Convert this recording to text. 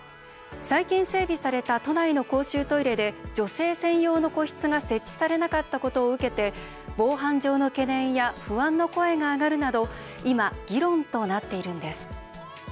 最近、整備された都内の公衆トイレで女性専用の個室が設置されなかったことを受けて防犯上の懸念や不安の声が上がるなど今、議論となっているんです。